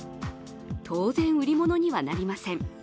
当然、売り物にはなりません。